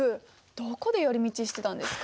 どこで寄り道してたんですか？